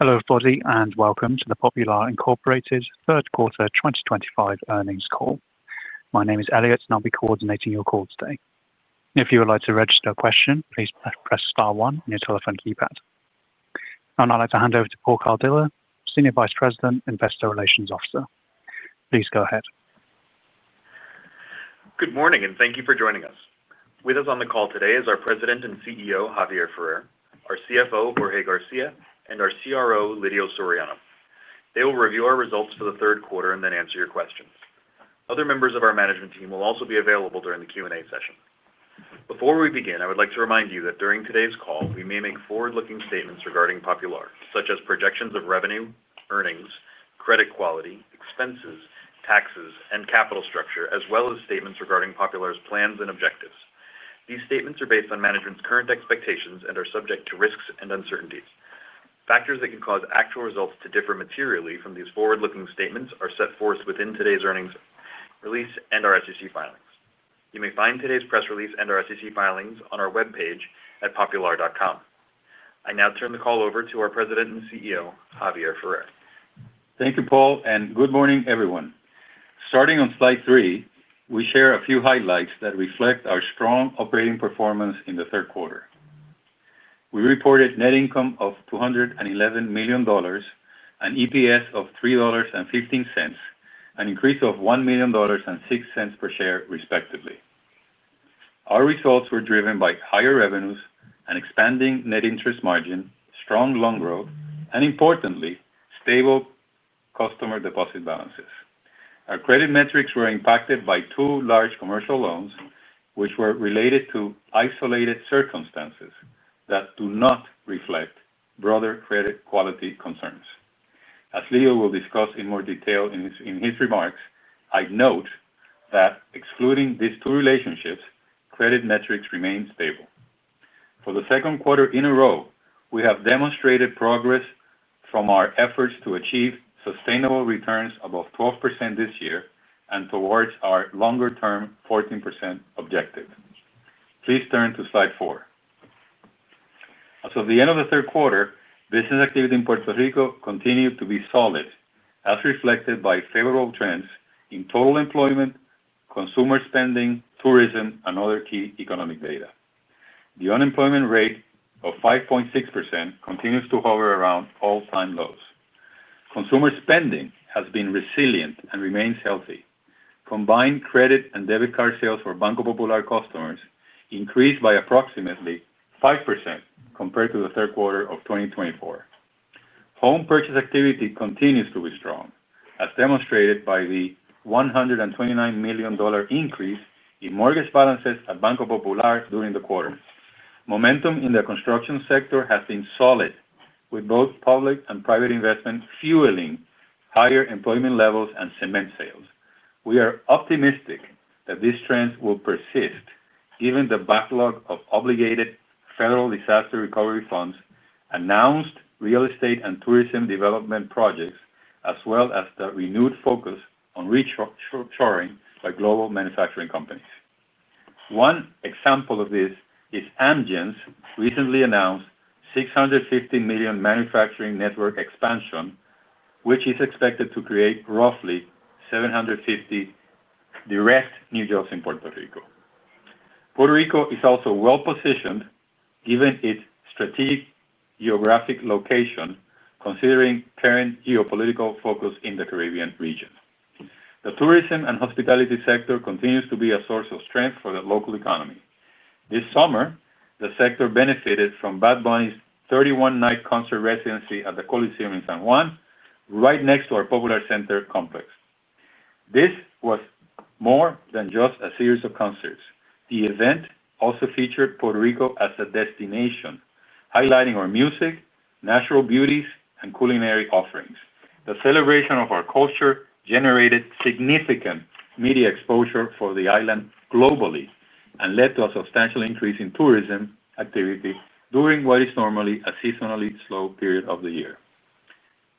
Hello everybody, and welcome to Popular Incorporated's third quarter 2025 earnings call. My name is Elliot, and I'll be coordinating your call today. If you would like to register a question, please press star one on your telephone keypad. Now I'd like to hand over to Paul Cardillo, Senior Vice President, Investor Relations Officer. Please go ahead. Good morning, and thank you for joining us. With us on the call today are our President and CEO, Javier Ferrer, our CFO, Jorge García, and our CRO, Lidio Soriano. They will review our results for the third quarter and then answer your questions. Other members of our management team will also be available during the Q&A session. Before we begin, I would like to remind you that during today's call, we may make forward-looking statements regarding Popular, such as projections of revenue, earnings, credit quality, expenses, taxes, and capital structure, as well as statements regarding Popular's plans and objectives. These statements are based on management's current expectations and are subject to risks and uncertainties. Factors that can cause actual results to differ materially from these forward-looking statements are set forth within today's earnings release and our SEC filings. You may find today's press release and our SEC filings on our webpage at popular.com. I now turn the call over to our President and CEO, Javier Ferrer. Thank you, Paul, and good morning, everyone. Starting on slide three, we share a few highlights that reflect our strong operating performance in the third quarter. We reported a net income of $211 million and EPS of $3.15, an increase of $1 million and $0.06 per share, respectively. Our results were driven by higher revenues, an expanding net interest margin, strong loan growth, and, importantly, stable customer deposit balances. Our credit metrics were impacted by two large commercial loans, which were related to isolated circumstances that do not reflect broader credit quality concerns. As Lidio will discuss in more detail in his remarks, I note that excluding these two relationships, credit metrics remain stable. For the second quarter in a row, we have demonstrated progress from our efforts to achieve sustainable returns above 12% this year and towards our longer-term 14% objective. Please turn to slide four. At the end of the third quarter, business activity in Puerto Rico continued to be solid, as reflected by favorable trends in total employment, consumer spending, tourism, and other key economic data. The unemployment rate of 5.6% continues to hover around all-time lows. Consumer spending has been resilient and remains healthy. Combined credit and debit card sales for Banco Popular customers increased by approximately 5% compared to the third quarter of 2024. Home purchase activity continues to be strong, as demonstrated by the $129 million increase in mortgage balances at Banco Popular during the quarter. Momentum in the construction sector has been solid, with both public and private investment fueling higher employment levels and cement sales. We are optimistic that these trends will persist, given the backlog of obligated federal disaster recovery funds, announced real estate and tourism development projects, as well as the renewed focus on reshoring by global manufacturing companies. One example of this is Amgen's recently announced $650 million manufacturing network expansion, which is expected to create roughly 750 direct new jobs in Puerto Rico. Puerto Rico is also well-positioned, given its strategic geographic location, considering current geopolitical focus in the Caribbean region. The tourism and hospitality sector continues to be a source of strength for the local economy. This summer, the sector benefited from Bad Bunny's 31-night concert residency at the Coliseum in San Juan, right next to our Popular Center complex. This was more than just a series of concerts. The event also featured Puerto Rico as a destination, highlighting our music, natural beauties, and culinary offerings. The celebration of our culture generated significant media exposure for the island globally and led to a substantial increase in tourism activity during what is normally a seasonally slow period of the year.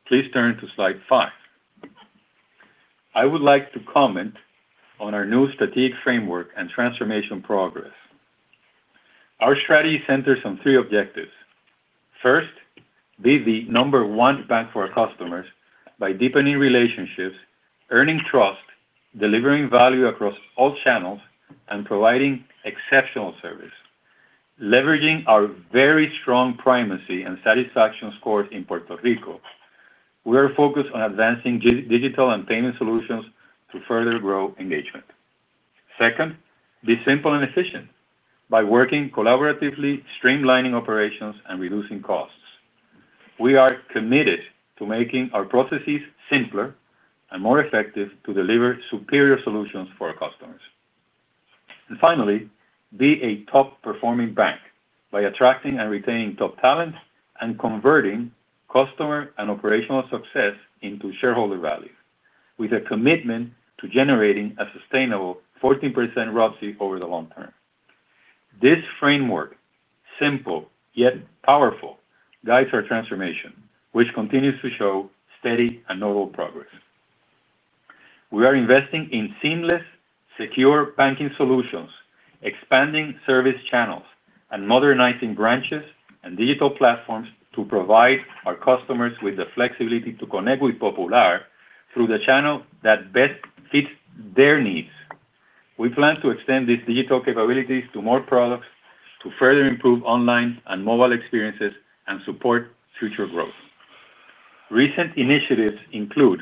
Please turn to slide five. I would like to comment on our new strategic framework and transformation progress. Our strategy centers on three objectives. First, be the number one bank for our customers by deepening relationships, earning trust, delivering value across all channels, and providing exceptional service. Leveraging our very strong primacy and satisfaction scores in Puerto Rico, we are focused on advancing digital and payment solutions to further grow engagement. Second, be simple and efficient by working collaboratively, streamlining operations, and reducing costs. We are committed to making our processes simpler and more effective to deliver superior solutions for our customers. Finally, be a top-performing bank by attracting and retaining top talent and converting customer and operational success into shareholder value, with a commitment to generating a sustainable 14% ROCI over the long term. This framework, simple yet powerful, guides our transformation, which continues to show steady and notable progress. We are investing in seamless, secure banking solutions, expanding service channels, and modernizing branches and digital platforms to provide our customers with the flexibility to connect with Popular through the channel that best fits their needs. We plan to extend these digital capabilities to more products to further improve online and mobile experiences and support future growth. Recent initiatives include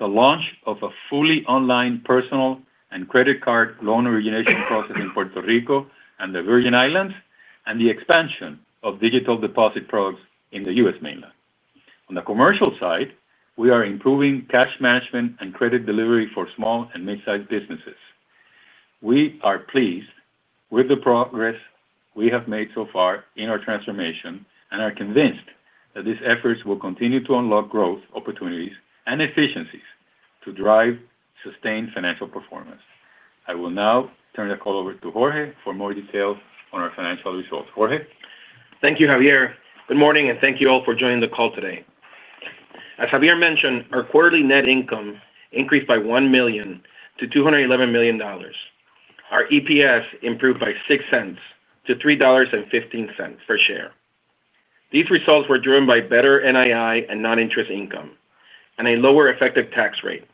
the launch of a fully online personal and credit card loan origination process in Puerto Rico and the Virgin Islands, and the expansion of digital deposit products in the U.S. mainland. On the commercial side, we are improving cash management and credit delivery for small and mid-sized businesses. We are pleased with the progress we have made so far in our transformation and are convinced that these efforts will continue to unlock growth opportunities and efficiencies to drive sustained financial performance. I will now turn the call over to Jorge for more details on our financial results. Jorge? Thank you, Javier. Good morning, and thank you all for joining the call today. As Javier mentioned, our quarterly net income increased by $1 million to $211 million. Our EPS improved by $0.06-$3.15 per share. These results were driven by better NII and non-interest income and a lower effective tax rate,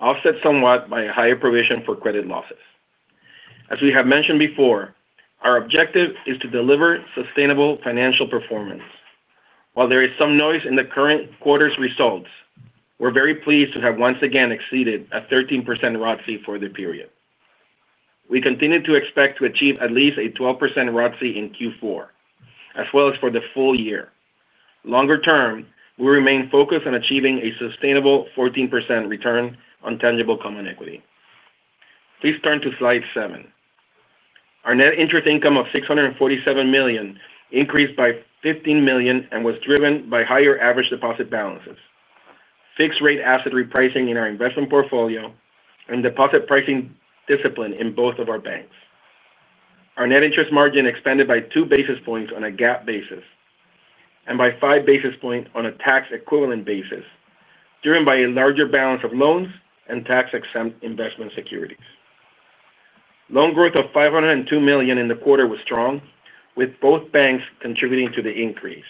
offset somewhat by a higher provision for credit losses. As we have mentioned before, our objective is to deliver sustainable financial performance. While there is some noise in the current quarter's results, we're very pleased to have once again exceeded a 13% ROCI for the period. We continue to expect to achieve at least a 12% ROCI in Q4, as well as for the full year. Longer term, we remain focused on achieving a sustainable 14% return on tangible common equity. Please turn to slide seven. Our net interest income of $647 million increased by $15 million and was driven by higher average deposit balances, fixed-rate asset repricing in our investment portfolio, and deposit pricing discipline in both of our banks. Our net interest margin expanded by two basis points on a gap basis and by five basis points on a tax-equivalent basis, driven by a larger balance of loans and tax-exempt investment securities. Loan growth of $502 million in the quarter was strong, with both banks contributing to the increase.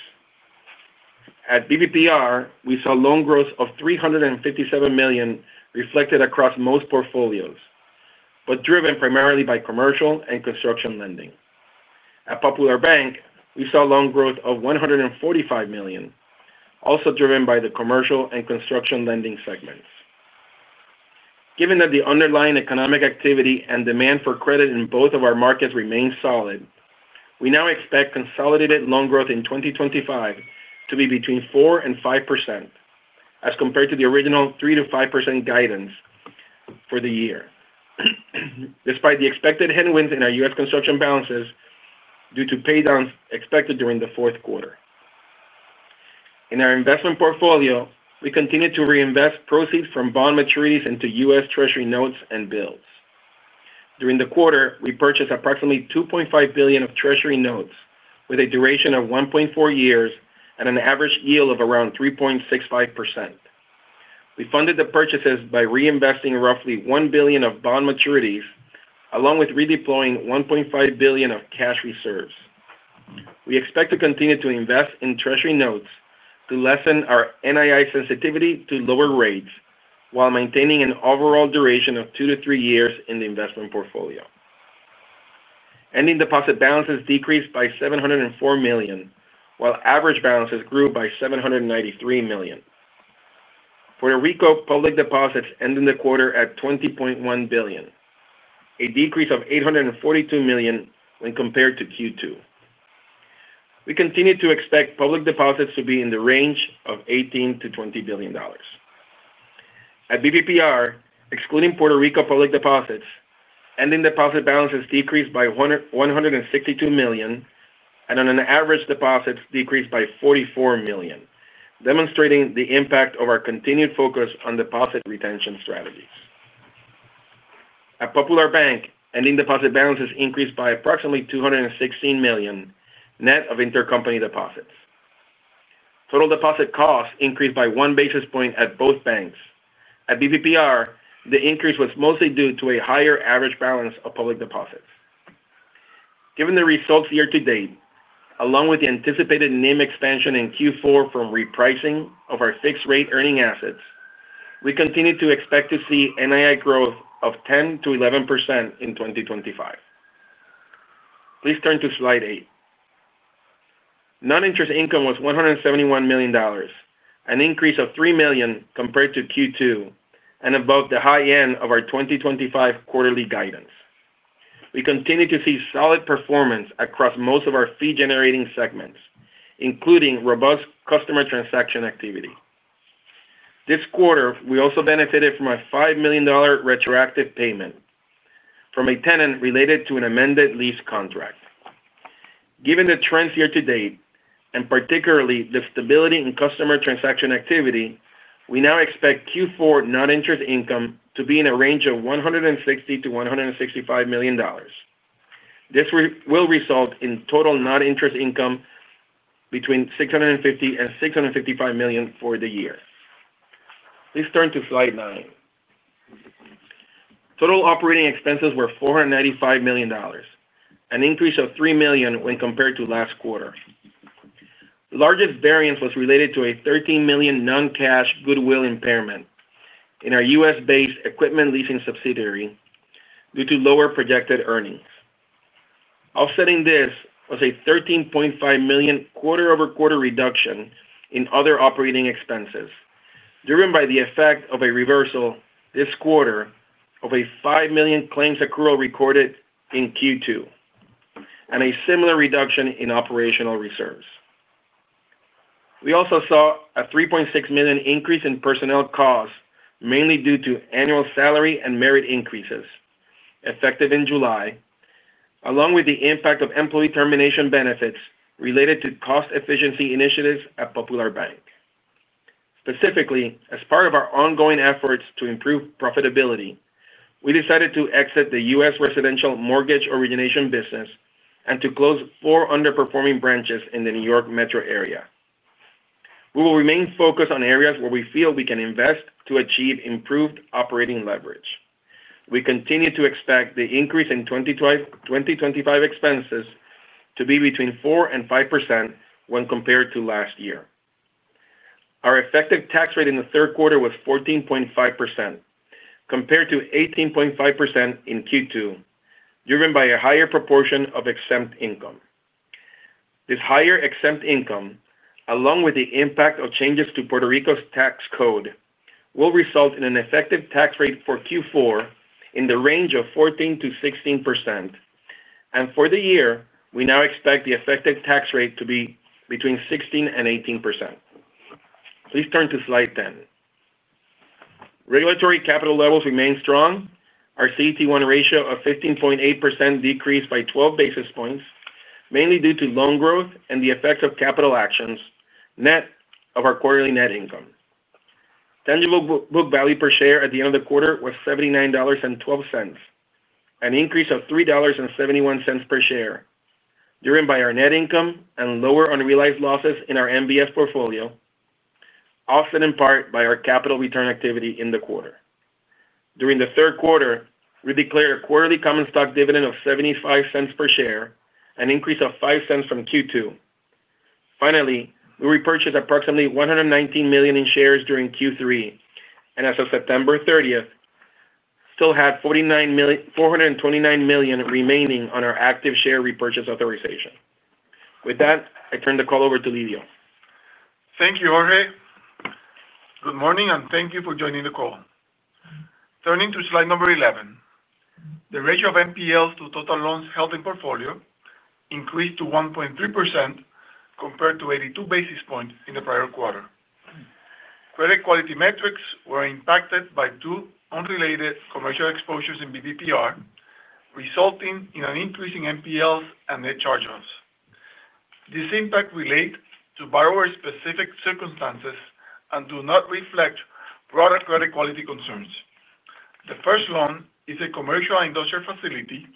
At BBPR, we saw loan growth of $357 million reflected across most portfolios, but driven primarily by commercial and construction lending. At Popular Bank, we saw loan growth of $145 million, also driven by the commercial and construction lending segments. Given that the underlying economic activity and demand for credit in both of our markets remain solid, we now expect consolidated loan growth in 2025 to be between 4% and 5%, as compared to the original 3% to 5% guidance for the year, despite the expected headwinds in our U.S. construction balances due to paydowns expected during the fourth quarter. In our investment portfolio, we continue to reinvest proceeds from bond maturities into U.S. Treasury notes and bills. During the quarter, we purchased approximately $2.5 billion of Treasury notes with a duration of 1.4 years and an average yield of around 3.65%. We funded the purchases by reinvesting roughly $1 billion of bond maturities, along with redeploying $1.5 billion of cash reserves. We expect to continue to invest in US Treasury notes to lessen our NII sensitivity to lower rates while maintaining an overall duration of two to three years in the investment portfolio. Ending deposit balances decreased by $704 million, while average balances grew by $793 million. Puerto Rico public deposits ended the quarter at $20.1 billion, a decrease of $842 million when compared to Q2. We continue to expect public deposits to be in the range of $18 to $20 billion. At BBPR, excluding Puerto Rico public deposits, ending deposit balances decreased by $162 million and on an average deposits decreased by $44 million, demonstrating the impact of our continued focus on deposit retention strategies. At Popular Bank, ending deposit balances increased by approximately $216 million, net of intercompany deposits. Total deposit costs increased by one basis point at both banks. At BBPR, the increase was mostly due to a higher average balance of public deposits. Given the results year to date, along with the anticipated NIM expansion in Q4 from repricing of our fixed-rate earning assets, we continue to expect to see NII growth of 10%-11% in 2025. Please turn to slide eight. Non-interest income was $171 million, an increase of $3 million compared to Q2 and above the high end of our 2025 quarterly guidance. We continue to see solid performance across most of our fee-generating segments, including robust customer transaction activity. This quarter, we also benefited from a $5 million retroactive payment from a tenant related to an amended lease contract. Given the trends year to date and particularly the stability in customer transaction activity, we now expect Q4 non-interest income to be in a range of $160 million-$165 million. This will result in total non-interest income between $650 and $655 million for the year. Please turn to slide nine. Total operating expenses were $495 million, an increase of $3 million when compared to last quarter. The largest variance was related to a $13 million non-cash goodwill impairment in our US-based equipment leasing subsidiary due to lower projected earnings. Offsetting this was a $13.5 million quarter-over-quarter reduction in other operating expenses, driven by the effect of a reversal this quarter of a $5 million claims accrual recorded in Q2 and a similar reduction in operational reserves. We also saw a $3.6 million increase in personnel costs, mainly due to annual salary and merit increases, effective in July, along with the impact of employee termination benefits related to cost efficiency initiatives at Popular Bank. Specifically, as part of our ongoing efforts to improve profitability, we decided to exit the U.S. residential mortgage origination business and to close four underperforming branches in the New York metro area. We will remain focused on areas where we feel we can invest to achieve improved operating leverage. We continue to expect the increase in 2025 expenses to be between 4% and 5% when compared to last year. Our effective tax rate in the third quarter was 14.5%, compared to 18.5% in Q2, driven by a higher proportion of exempt income. This higher exempt income, along with the impact of changes to Puerto Rico's tax code, will result in an effective tax rate for Q4 in the range of 14%-16%. For the year, we now expect the effective tax rate to be between 16% and 18%. Please turn to slide 10. Regulatory capital levels remain strong. Our CET1 ratio of 15.8% decreased by 12 basis points, mainly due to loan growth and the effects of capital actions, net of our quarterly net income. Tangible book value per share at the end of the quarter was $79.12, an increase of $3.71 per share, driven by our net income and lower unrealized losses in our MBS portfolio, offset in part by our capital return activity in the quarter. During the third quarter, we declared a quarterly common stock dividend of $0.75 per share, an increase of $0.05 from Q2. Finally, we repurchased approximately $119 million in shares during Q3, and as of September 30th, we still had $429 million remaining on our active share repurchase authorization. With that, I turn the call over to Lidio. Thank you, Jorge. Good morning, and thank you for joining the call. Turning to slide number 11, the ratio of NPLs to total loans held in portfolio increased to 1.3% compared to 82 basis points in the prior quarter. Credit quality metrics were impacted by two unrelated commercial exposures in BBPR, resulting in an increase in NPLs and net charge-offs. This impact relates to borrower-specific circumstances and does not reflect broader credit quality concerns. The first loan is a commercial and industrial facility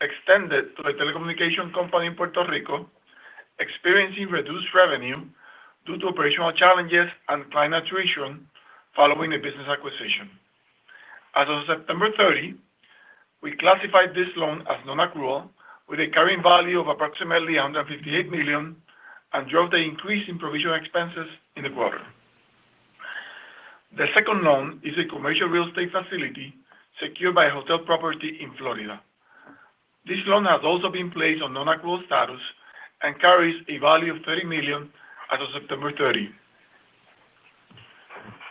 extended to a telecommunication company in Puerto Rico, experiencing reduced revenue due to operational challenges and client attrition following a business acquisition. As of September 30, we classified this loan as non-accrual, with a carrying value of approximately $158 million, and drove the increase in provisional expenses in the quarter. The second loan is a commercial real estate facility secured by a hotel property in Florida. This loan has also been placed on non-accrual status and carries a value of $30 million as of September 30,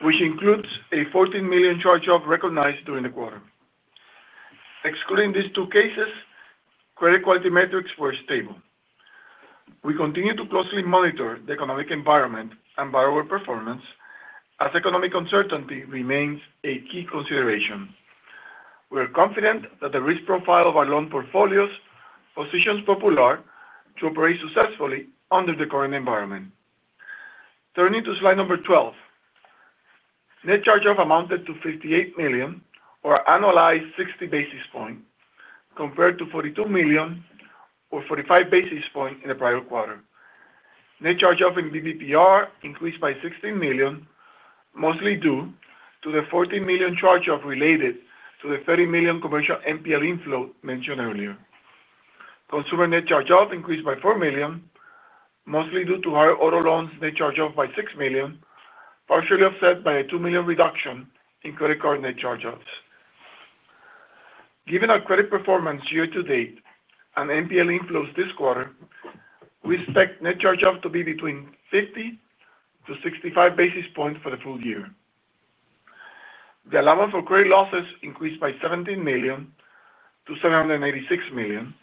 which includes a $14 million charge-off recognized during the quarter. Excluding these two cases, credit quality metrics were stable. We continue to closely monitor the economic environment and borrower performance, as economic uncertainty remains a key consideration. We are confident that the risk profile of our loan portfolios positions Popular to operate successfully under the current environment. Turning to slide number 12, net charge-off amounted to $58 million, or annualized 60 basis points, compared to $42 million, or 45 basis points in the prior quarter. Net charge-off in BBPR increased by $16 million, mostly due to the $14 million charge-off related to the $30 million commercial NPL inflow mentioned earlier. Consumer net charge-off increased by $4 million, mostly due to higher auto loans net charge-off by $6 million, partially offset by a $2 million reduction in credit card net charge-offs. Given our credit performance year to date and NPL inflows this quarter, we expect net charge-off to be between 50 to 65 basis points for the full year. The allowance for credit losses increased by $17 million to $786 million,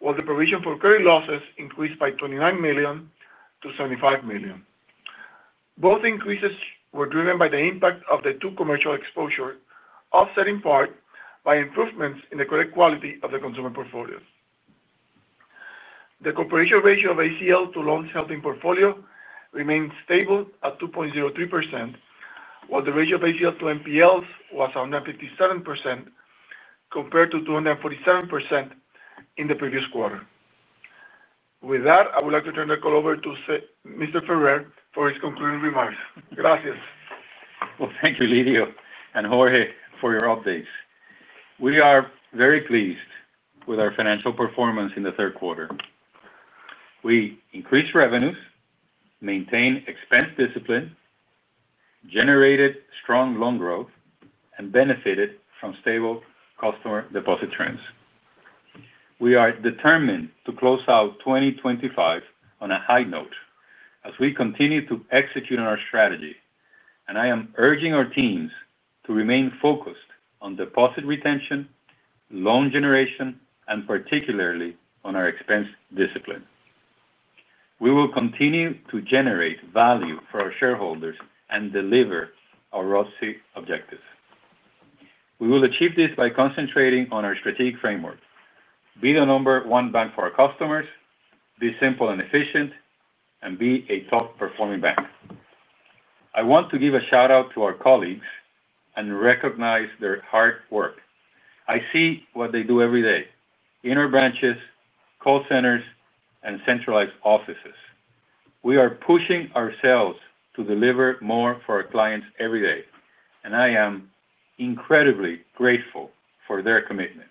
while the provision for credit losses increased by $29 million to $75 million. Both increases were driven by the impact of the two commercial exposures, offset in part by improvements in the credit quality of the consumer portfolios. The corporation ratio of ACL to loans held in portfolio remains stable at 2.03%, while the ratio of ACL to NPLs was 157% compared to 247% in the previous quarter. With that, I would like to turn the call over to Mr. Ferrer for his concluding remarks. Gracias. Thank you, Lidio and Jorge, for your updates. We are very pleased with our financial performance in the third quarter. We increased revenues, maintained expense discipline, generated strong loan growth, and benefited from stable customer deposit trends. We are determined to close out 2025 on a high note as we continue to execute on our strategy, and I am urging our teams to remain focused on deposit retention, loan generation, and particularly on our expense discipline. We will continue to generate value for our shareholders and deliver our ROCI objectives. We will achieve this by concentrating on our strategic framework: be the number one bank for our customers, be simple and efficient, and be a top-performing bank. I want to give a shout-out to our colleagues and recognize their hard work. I see what they do every day in our branches, call centers, and centralized offices. We are pushing ourselves to deliver more for our clients every day, and I am incredibly grateful for their commitment.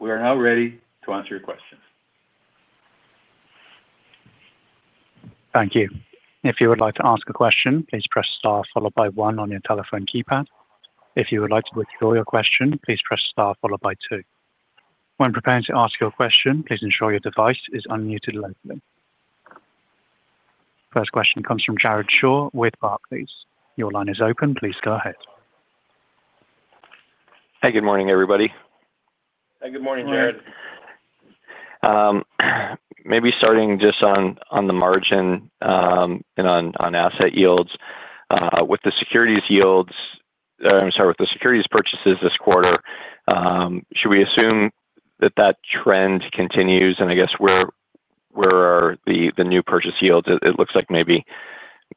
We are now ready to answer your questions. Thank you. If you would like to ask a question, please press star followed by one on your telephone keypad. If you would like to withdraw your question, please press star followed by two. When preparing to ask your question, please ensure your device is unmuted locally. First question comes from Jared Shaw with Barclays. Your line is open. Please go ahead. Hey, good morning, everybody. Hey, good morning, Jared. Maybe starting just on the margin and on asset yields, with the securities yields or I'm sorry, with the securities purchases this quarter, should we assume that that trend continues? I guess where are the new purchase yields? It looks like maybe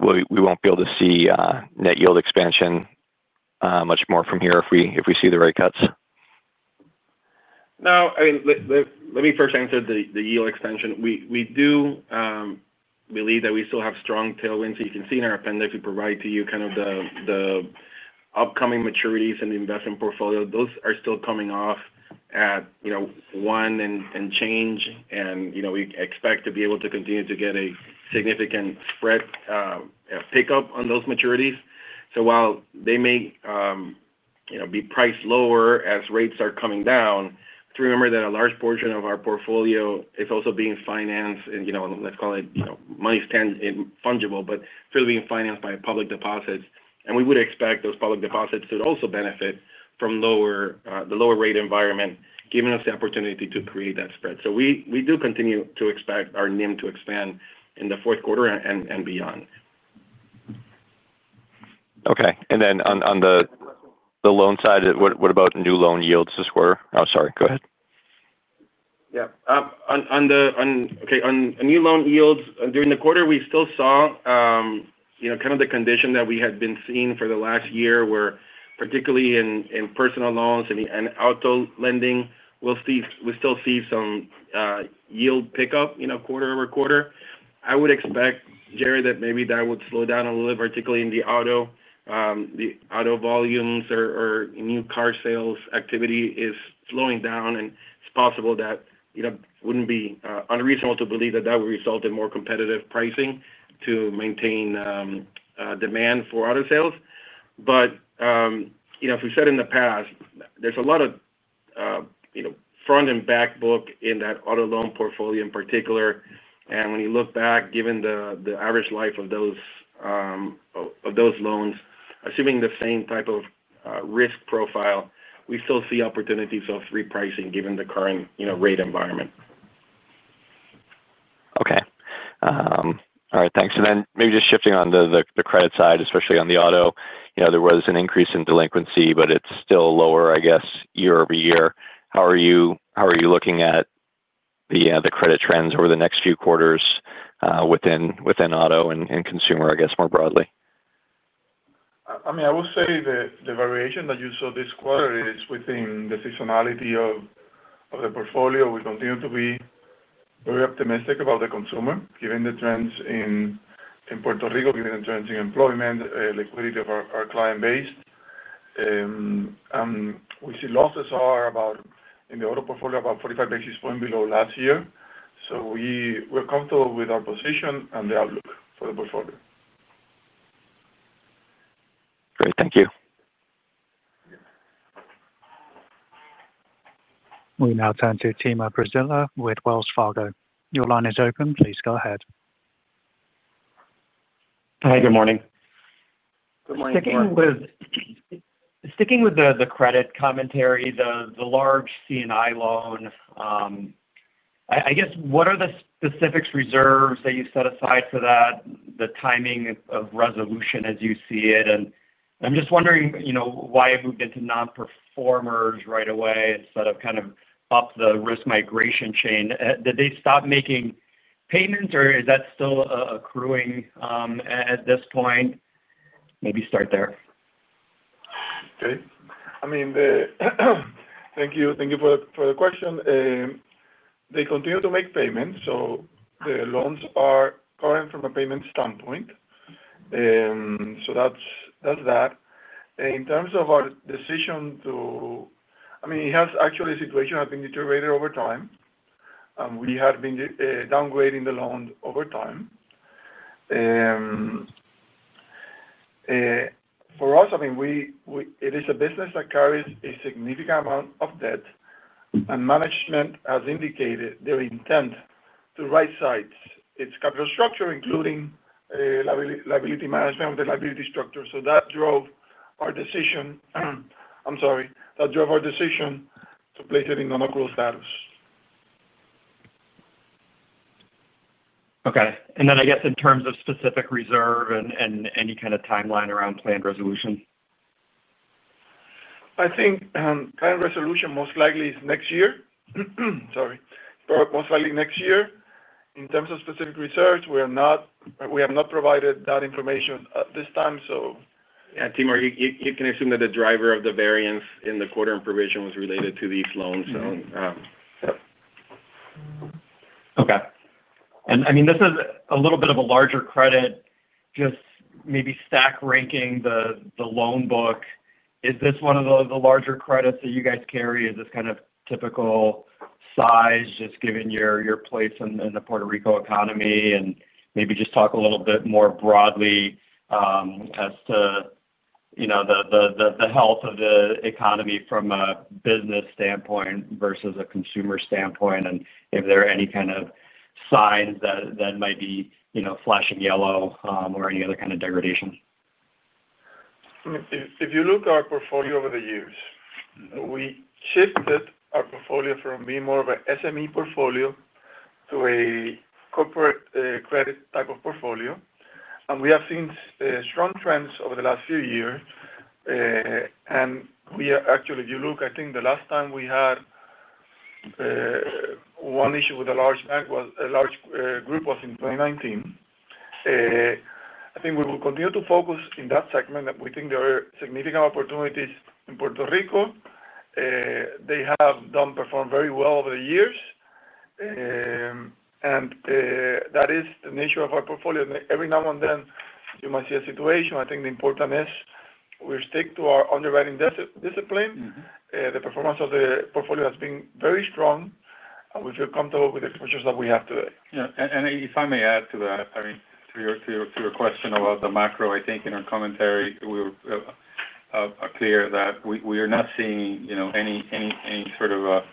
we won't be able to see net yield expansion much more from here if we see the rate cuts. No, I mean, let me first answer the yield expansion. We do believe that we still have strong tailwinds. You can see in our appendix, we provide to you kind of the upcoming maturities in the investment portfolio. Those are still coming off at one and change, and we expect to be able to continue to get a significant spread pickup on those maturities. While they may be priced lower as rates are coming down, remember that a large portion of our portfolio is also being financed in, let's call it money stand in fungible, but still being financed by public deposits. We would expect those public deposits to also benefit from the lower rate environment, giving us the opportunity to create that spread. We do continue to expect our NIM to expand in the fourth quarter and beyond. Okay. On the loan side, what about new loan yields this quarter? Oh, sorry, go ahead. Yeah. Okay, on new loan yields during the quarter, we still saw kind of the condition that we had been seeing for the last year, where particularly in personal loans and auto lending, we'll still see some yield pickup quarter over quarter. I would expect, Jared, that maybe that would slow down a little, particularly in the auto volumes or new car sales activity is slowing down. It's possible that it wouldn't be unreasonable to believe that that would result in more competitive pricing to maintain demand for auto sales. As we said in the past, there's a lot of front and back book in that auto loan portfolio in particular. When you look back, given the average life of those loans, assuming the same type of risk profile, we still see opportunities of repricing given the current rate environment. All right, thanks. Maybe just shifting onto the credit side, especially on the auto, there was an increase in delinquency, but it's still lower, I guess, year-over-year. How are you looking at the credit trends over the next few quarters within auto and consumer, I guess, more broadly? I will say that the variation that you saw this quarter is within the seasonality of the portfolio. We continue to be very optimistic about the consumer, given the trends in Puerto Rico, given the trends in employment, liquidity of our client base. We see losses are about in the auto portfolio about 45 basis points below last year. We are comfortable with our position and the outlook for the portfolio. Great, thank you. We now turn to Timur Brazilia with Wells Fargo. Your line is open. Please go ahead. Hi, good morning. Good morning. Sticking with the credit commentary, the large CNI loan, I guess, what are the specific reserves that you set aside for that, the timing of resolution as you see it? I'm just wondering, you know, why it moved into non-performers right away instead of kind of up the risk migration chain. Did they stop making payments, or is that still accruing at this point? Maybe start there. Thank you for the question. They continue to make payments, so the loans are current from a payment standpoint. In terms of our decision, the situation has deteriorated over time. We have been downgrading the loans over time. For us, it is a business that carries a significant amount of debt, and management has indicated their intent to right-size its capital structure, including liability management of the liability structure. That drove our decision to place it in non-accrual status. Okay. I guess in terms of specific reserve and any kind of timeline around planned resolution? I think planned resolution most likely is next year. Most likely next year. In terms of specific reserves, we have not provided that information at this time. Yeah, Timur, you can assume that the driver of the variance in the quarter in provision was related to these loans. Okay. This is a little bit of a larger credit, just maybe stack ranking the loan book. Is this one of the larger credits that you guys carry? Is this kind of typical size, just given your place in the Puerto Rico economy? Maybe just talk a little bit more broadly as to the health of the economy from a business standpoint versus a consumer standpoint, and if there are any kind of signs that might be flashing yellow or any other kind of degradation. If you look at our portfolio over the years, we shifted our portfolio from being more of an SME portfolio to a corporate credit type of portfolio. We have seen strong trends over the last few years. If you look, I think the last time we had one issue with a large group was in 2019. I think we will continue to focus in that segment. We think there are significant opportunities in Puerto Rico. They have performed very well over the years. That is the nature of our portfolio. Every now and then, you might see a situation. The importance is we stick to our underwriting discipline. The performance of the portfolio has been very strong, and we feel comfortable with the proposals that we have today. Yeah. If I may add to that, to your question about the macro, I think in our commentary, we were clear that we are not seeing any sort of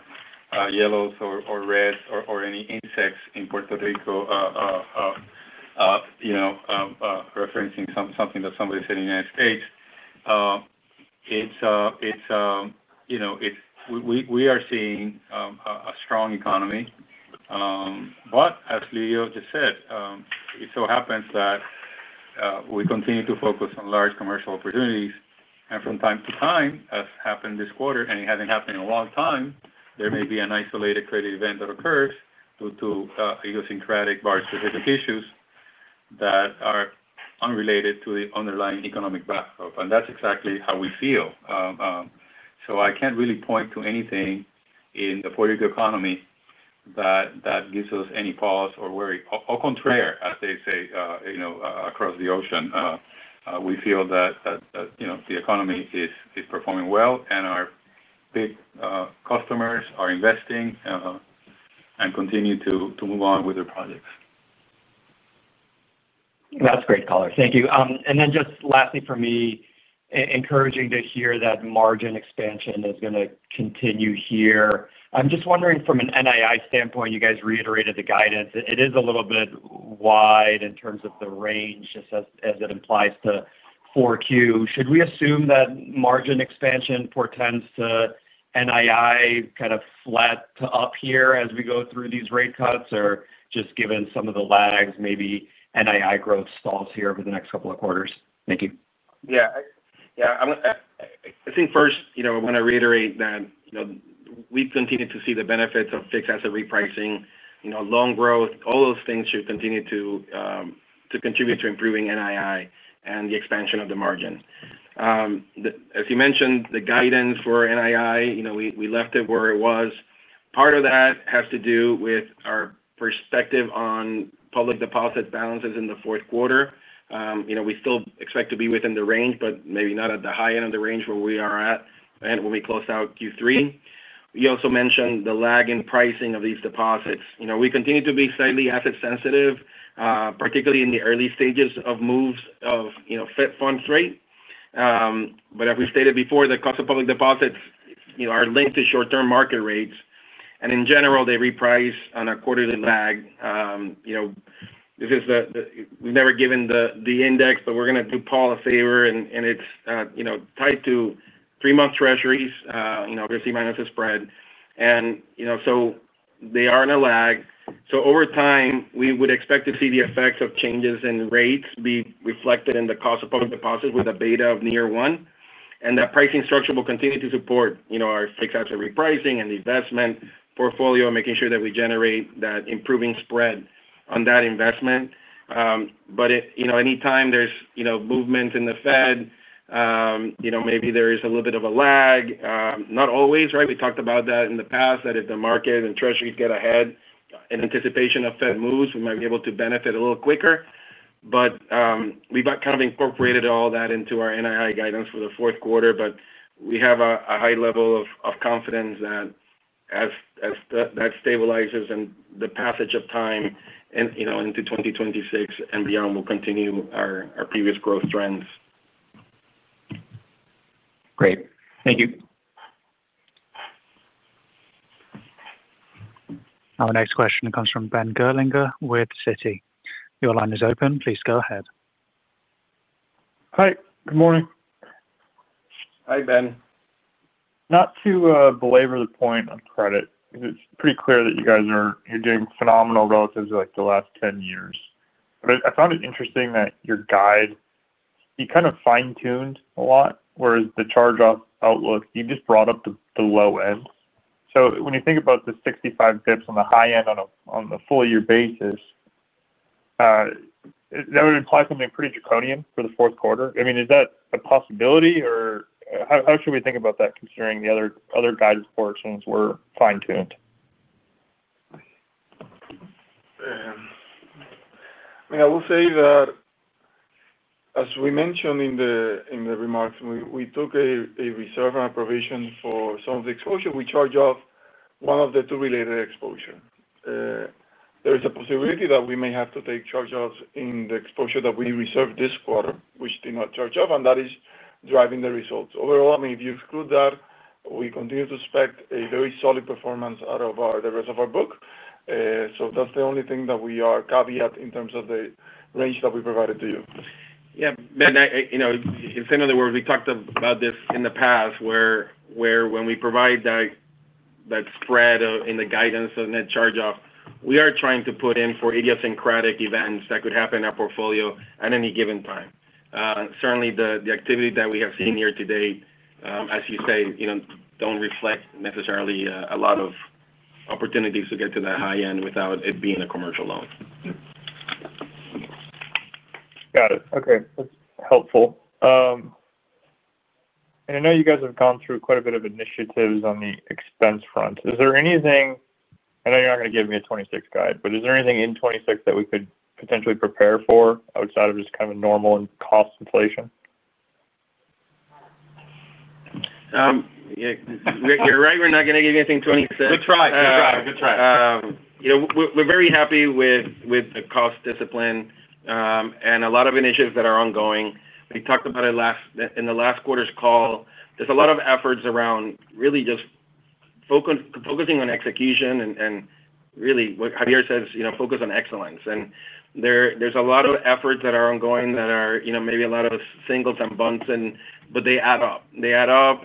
yellows or reds or any insects in Puerto Rico, referencing something that somebody said in the United States. We are seeing a strong economy. As Lidio just said, it so happens that we continue to focus on large commercial opportunities. From time to time, as happened this quarter, and it hasn't happened in a long time, there may be an isolated credit event that occurs due to idiosyncratic borrower-specific issues that are unrelated to the underlying economic backdrop. That's exactly how we feel. I can't really point to anything in the Puerto Rico economy that gives us any pause or worry, au contraire, as they say across the ocean. We feel that the economy is performing well, and our big customers are investing and continue to move on with their projects. That's great colors. Thank you. Lastly, for me, encouraging to hear that margin expansion is going to continue here. I'm just wondering, from an NII standpoint, you guys reiterated the guidance. It is a little bit wide in terms of the range, just as it implies to 4Q. Should we assume that margin expansion portends to NII kind of flat to up here as we go through these rate cuts, or just given some of the lags, maybe NII growth stalls here over the next couple of quarters? Thank you. Yeah. I think first, I want to reiterate that we continue to see the benefits of fixed asset repricing, loan growth. All those things should continue to contribute to improving NII and the expansion of the margin. As you mentioned, the guidance for NII, we left it where it was. Part of that has to do with our perspective on public deposit balances in the fourth quarter. We still expect to be within the range, but maybe not at the high end of the range where we are at when we close out Q3. You also mentioned the lag in pricing of these deposits. We continue to be slightly asset-sensitive, particularly in the early stages of moves of the Fed funds rate. As we stated before, the cost of public deposits is linked to short-term market rates, and in general, they reprice on a quarterly lag. We've never given the index, but we're going to do Paul a favor, and it's tied to three-month U.S. Treasury notes, obviously minus the spread. They are in a lag, so over time, we would expect to see the effects of changes in rates be reflected in the cost of public deposits with a beta of near one. That pricing structure will continue to support our fixed asset repricing and the investment portfolio, making sure that we generate that improving spread on that investment. Anytime there's movement in the Fed, maybe there is a little bit of a lag. Not always, right? We talked about that in the past, that if the market and U.S. Treasury notes get ahead in anticipation of Fed moves, we might be able to benefit a little quicker. We've kind of incorporated all that into our NII guidance for the fourth quarter. We have a high level of confidence that as that stabilizes and the passage of time and into 2026 and beyond, we'll continue our previous growth trends. Great. Thank you. Our next question comes from Ben Gerlinger with Citi. Your line is open. Please go ahead. Hi, good morning. Hi, Ben. Not to belabor the point on credit, because it's pretty clear that you guys are doing phenomenal relative to like the last 10 years. I found it interesting that your guide, you kind of fine-tuned a lot, whereas the charge-off outlook, you just brought up the low end. When you think about the 65 basis points on the high end on a full-year basis, that would imply something pretty draconian for the fourth quarter. Is that a possibility, or how should we think about that considering the other guidance portions were fine-tuned? I mean, I will say that, as we mentioned in the remarks, we took a reserve and a provision for some of the exposure. We charge off one of the two related exposures. There is a possibility that we may have to take charge-offs in the exposure that we reserved this quarter, which did not charge off, and that is driving the results. Overall, if you exclude that, we continue to expect a very solid performance out of the rest of our book. That's the only thing that we are caveat in terms of the range that we provided to you. Yeah. In similar words, we talked about this in the past, where when we provide that spread in the guidance of net charge-off, we are trying to put in for idiosyncratic events that could happen in our portfolio at any given time. Certainly, the activity that we have seen here today, as you say, does not reflect necessarily a lot of opportunities to get to that high end without it being a commercial loan. Got it. Okay. That's helpful. I know you guys have gone through quite a bit of initiatives on the expense front. Is there anything? I know you're not going to give me a 2026 guide, but is there anything in 2026 that we could potentially prepare for outside of just kind of a normal and cost inflation? Yeah. Right. We're not going to give you anything 2026. Good try. Good try. Good try. You know, we're very happy with the cost discipline and a lot of initiatives that are ongoing. We talked about it in the last quarter's call. There's a lot of efforts around really just focusing on execution and really what Javier says, you know, focus on excellence. There's a lot of efforts that are ongoing that are, you know, maybe a lot of singles and bunts, but they add up. They add up.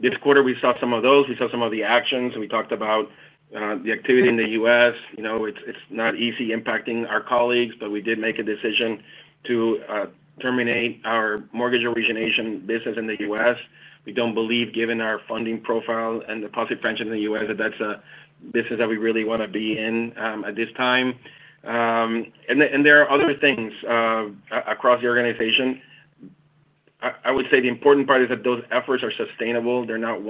This quarter, we saw some of those. We saw some of the actions. We talked about the activity in the U.S. It's not easy impacting our colleagues, but we did make a decision to terminate our mortgage origination business in the U.S. We don't believe, given our funding profile and deposit branches in the U.S., that that's a business that we really want to be in at this time. There are other things across the organization. I would say the important part is that those efforts are sustainable. They're not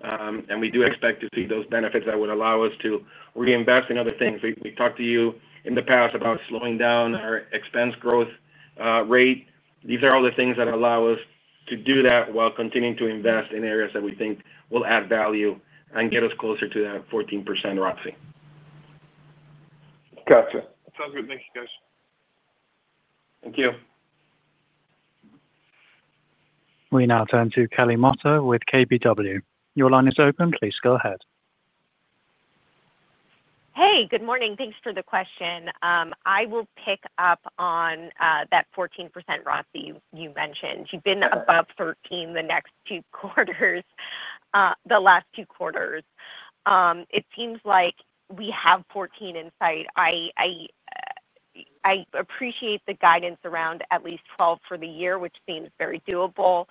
one-offs. We do expect to see those benefits that would allow us to reinvest in other things. We talked to you in the past about slowing down our expense growth rate. These are all the things that allow us to do that while continuing to invest in areas that we think will add value and get us closer to that 14% ROCI. Gotcha. Sounds good. Thank you, guys. Thank you. We now turn to Kelly Motta with KBW. Your line is open. Please go ahead. Hey, good morning. Thanks for the question. I will pick up on that 14% ROCI you mentioned. You've been above 13% the last two quarters. It seems like we have 14% in sight. I appreciate the guidance around at least 12% for the year, which seems very doable.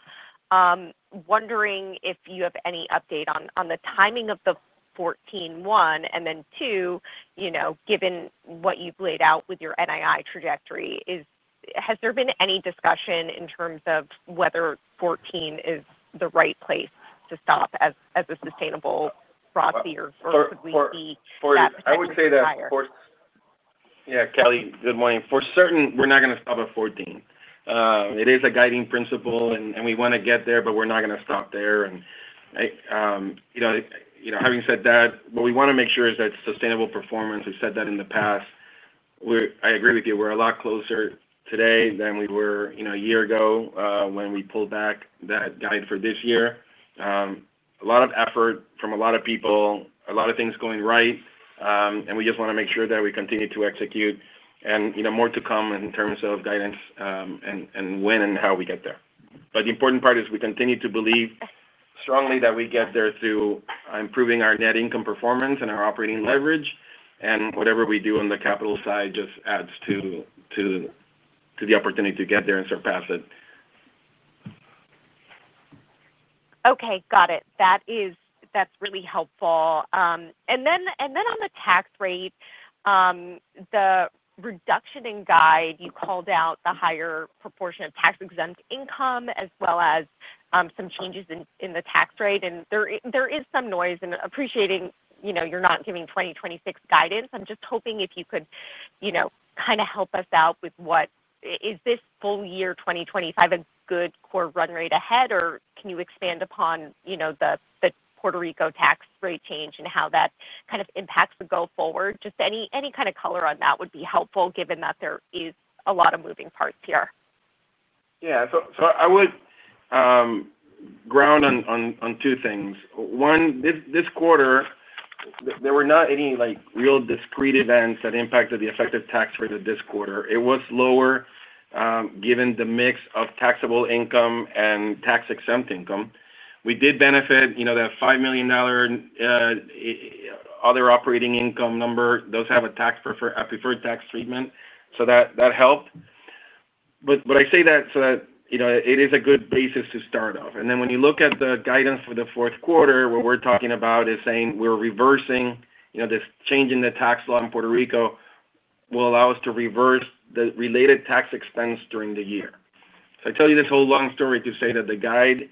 Wondering if you have any update on the timing of the 14, one and then two, you know, given what you've laid out with your NII trajectory. Has there been any discussion in terms of whether 14% is the right place to stop as a sustainable ROCI, or could we see that potential expire? Yeah, Kelly, good morning. For certain, we're not going to stop at 14%. It is a guiding principle, and we want to get there, but we're not going to stop there. Having said that, what we want to make sure is that sustainable performance. We've said that in the past. I agree with you. We're a lot closer today than we were a year ago when we pulled back that guide for this year. A lot of effort from a lot of people, a lot of things going right, and we just want to make sure that we continue to execute. More to come in terms of guidance and when and how we get there. The important part is we continue to believe strongly that we get there through improving our net income performance and our operating leverage. Whatever we do on the capital side just adds to the opportunity to get there and surpass it. Okay. Got it. That's really helpful. On the tax rate, the reduction in guide, you called out the higher proportion of tax-exempt income, as well as some changes in the tax rate. There is some noise, and appreciating you know you're not giving 2026 guidance. I'm just hoping if you could, you know, kind of help us out with what is this full year 2025 a good core run rate ahead, or can you expand upon, you know, the Puerto Rico tax rate change and how that kind of impacts the go forward? Just any kind of color on that would be helpful, given that there is a lot of moving parts here. Yeah. I would ground on two things. One, this quarter, there were not any real discrete events that impacted the effective tax rate of this quarter. It was lower, given the mix of taxable income and tax-exempt income. We did benefit, you know, the $5 million other operating income number. Those have a preferred tax treatment, so that helped. I say that so that you know it is a good basis to start off. When you look at the guidance for the fourth quarter, what we're talking about is saying we're reversing, you know, this change in the tax law in Puerto Rico will allow us to reverse the related tax expense during the year. I tell you this whole long story to say that the guide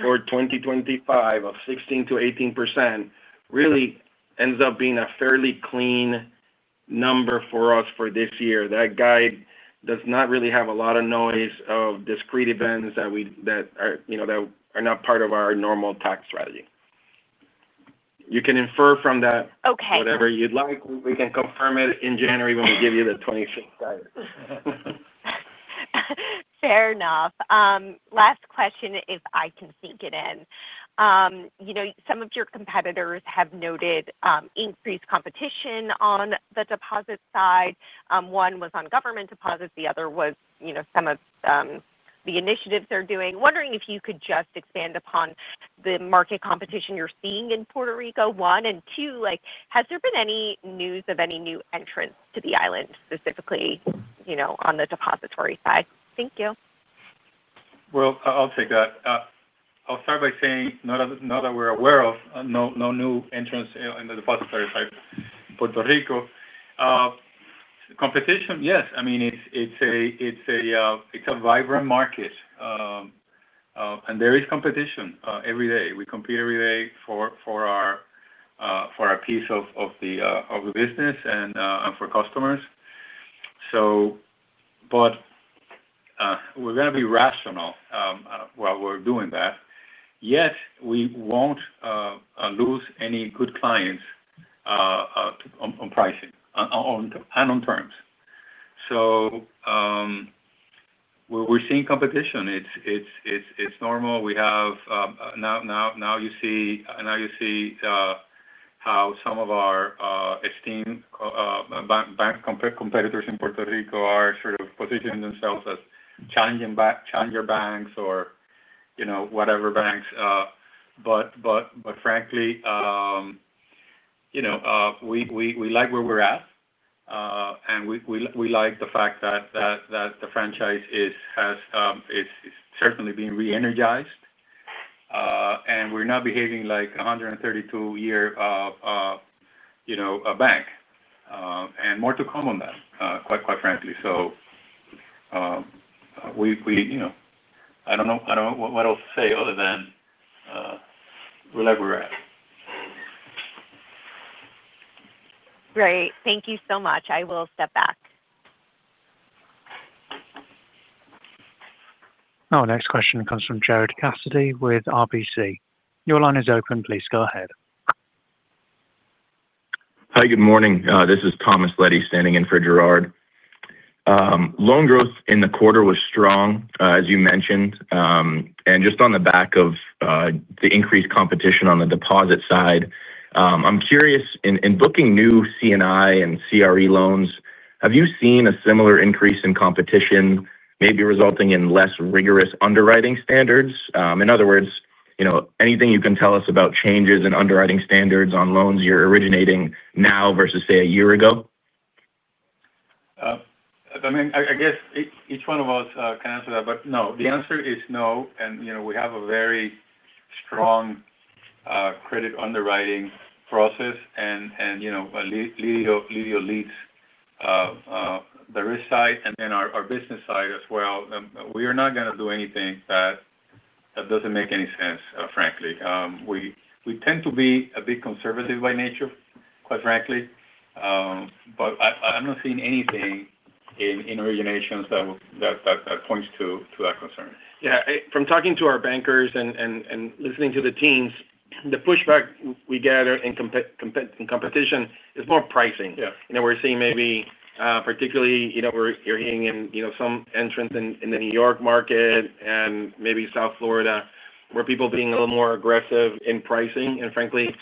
for 2025 of 16%-18% really ends up being a fairly clean number for us for this year. That guide does not really have a lot of noise of discrete events that are not part of our normal tax strategy. You can infer from that whatever you'd like. We can confirm it in January when we give you the 2026 guide. Fair enough. Last question, if I can sneak it in. Some of your competitors have noted increased competition on the deposit side. One was on government deposits. The other was some of the initiatives they're doing. Wondering if you could just expand upon the market competition you're seeing in Puerto Rico, one. Two, has there been any news of any new entrants to the island, specifically on the depository side? Thank you. I'll start by saying not that we're aware of, no new entrants in the depository side of Puerto Rico. Competition, yes. I mean, it's a vibrant market, and there is competition every day. We compete every day for our piece of the business and for customers. We're going to be rational while we're doing that. Yet, we won't lose any good clients on pricing and on terms. We're seeing competition. It's normal. You see how some of our esteemed bank competitors in Puerto Rico are sort of positioning themselves as challenger banks or, you know, whatever banks. Frankly, we like where we're at, and we like the fact that the franchise has certainly been re-energized, and we're not behaving like a 132-year bank. More to come on that, quite frankly. I don't know what else to say other than we like where we're at. Right, thank you so much. I will step back. Our next question comes from Gerard Cassidy with RBC. Your line is open. Please go ahead. Hi, good morning. This is Thomas Leddy standing in for Gerard. Loan growth in the quarter was strong, as you mentioned. Just on the back of the increased competition on the deposit side, I'm curious, in booking new CNI and CRE loans, have you seen a similar increase in competition, maybe resulting in less rigorous underwriting standards? In other words, anything you can tell us about changes in underwriting standards on loans you're originating now versus, say, a year ago? I mean, I guess each one of us can answer that, but no, the answer is no. You know we have a very strong credit underwriting process. Lidio leads the risk side and our business side as well. We are not going to do anything that doesn't make any sense, frankly. We tend to be a bit conservative by nature, quite frankly. I'm not seeing anything in originations that points to that concern. Yeah. From talking to our bankers and listening to the teams, the pushback we get in competition is more pricing. We're seeing maybe, particularly, you know, we're hearing some entrants in the New York metro area and maybe South Florida, where people are being a little more aggressive in pricing. Frankly,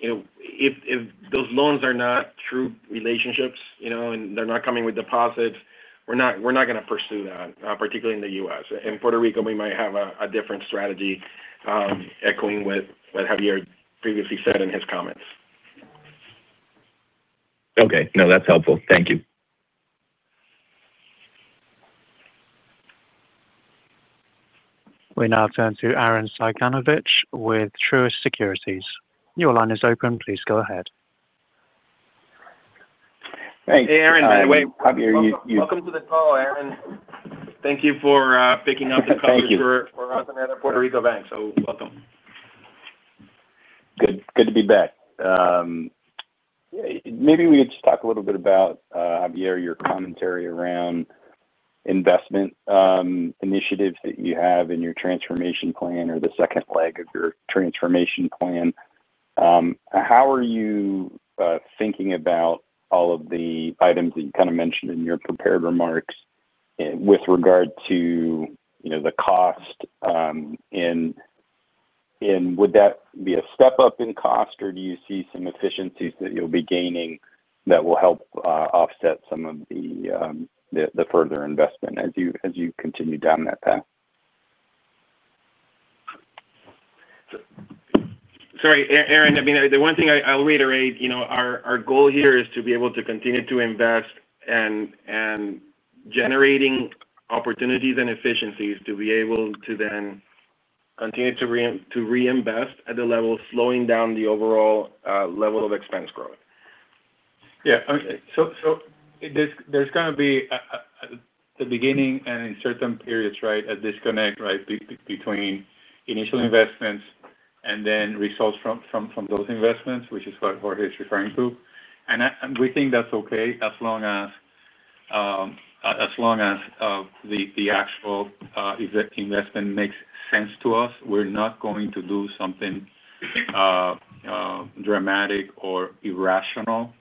you know, if those loans are not true relationships, you know, and they're not coming with deposits, we're not going to pursue that, particularly in the United States. In Puerto Rico, we might have a different strategy, echoing what Javier previously said in his comments. Okay, no, that's helpful. Thank you. We now turn to Arren Cyganovich with Truist Securities. Your line is open. Please go ahead. Thanks. Hey, Aaron. By the way, Javier, you. Welcome to the call, Aaron. Thank you for picking up the call. Thank you. For us and other Puerto Rico banks, welcome. Good. Good to be back. Maybe we could just talk a little bit about, Javier, your commentary around investment initiatives that you have in your transformation plan or the second leg of your transformation plan. How are you thinking about all of the items that you mentioned in your prepared remarks with regard to the cost? Would that be a step up in cost, or do you see some efficiencies that you'll be gaining that will help offset some of the further investment as you continue down that path? Sorry, Aaron. The one thing I'll reiterate, our goal here is to be able to continue to invest and generate opportunities and efficiencies to be able to then continue to reinvest at the level, slowing down the overall level of expense growth. Yeah. There is going to be, at the beginning and in certain periods, a disconnect between initial investments and then results from those investments, which is what Jorge is referring to. We think that's okay as long as the actual investment makes sense to us. We're not going to do something dramatic or irrational.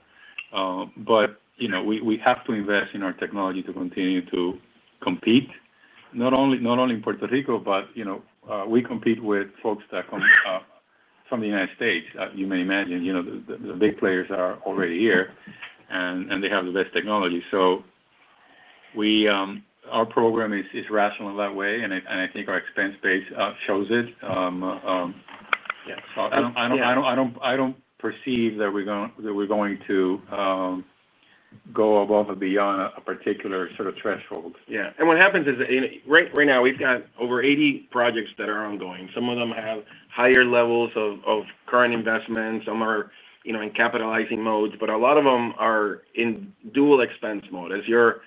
You know we have to invest in our technology to continue to compete, not only in Puerto Rico, but we compete with folks that come from the United States. You may imagine the big players are already here, and they have the best technology. Our program is rational in that way, and I think our expense base shows it. I don't perceive that we're going to go above and beyond a particular sort of threshold. Yeah. What happens is that right now we've got over 80 projects that are ongoing. Some of them have higher levels of current investment. Some are in capitalizing modes, but a lot of them are in dual expense mode. As you're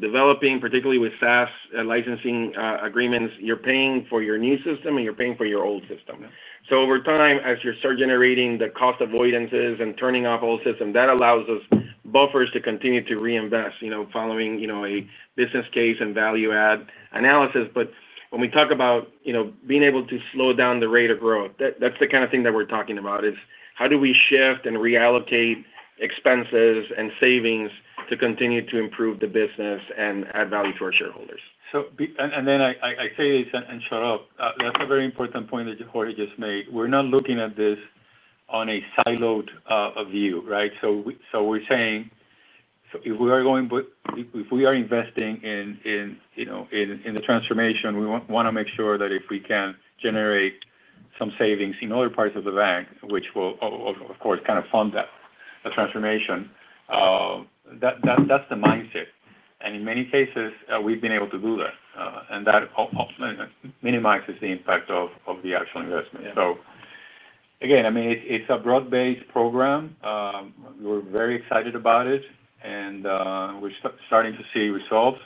developing, particularly with SaaS licensing agreements, you're paying for your new system and you're paying for your old system. Over time, as you start generating the cost avoidances and turning off old systems, that allows us buffers to continue to reinvest, following a business case and value-add analysis. When we talk about being able to slow down the rate of growth, that's the kind of thing that we're talking about, how do we shift and reallocate expenses and savings to continue to improve the business and add value to our shareholders? I say this and shut up. That's a very important point that Jorge just made. We're not looking at this on a siloed view, right? We're saying, if we are going, if we are investing in the transformation, we want to make sure that if we can generate some savings in other parts of the bank, which will, of course, kind of fund that transformation, that's the mindset. In many cases, we've been able to do that. That minimizes the impact of the actual investment. It's a broad-based program. We're very excited about it, and we're starting to see results.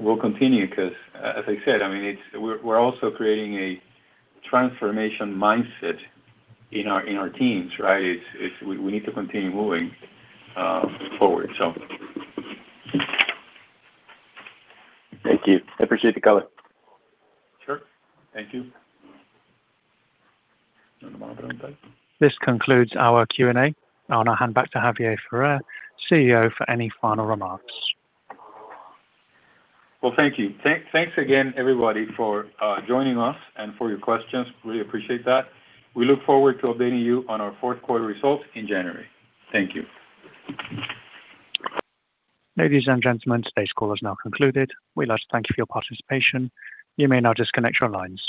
We'll continue because, as I said, we're also creating a transformation mindset in our teams, right? We need to continue moving forward. Thank you. I appreciate the color. Sure. Thank you. This concludes our Q&A. I'll now hand back to Javier Ferrer, CEO, for any final remarks. Thank you. Thanks again, everybody, for joining us and for your questions. Really appreciate that. We look forward to updating you on our fourth quarter results in January. Thank you. Ladies and gentlemen, today's call is now concluded. We'd like to thank you for your participation. You may now disconnect your lines.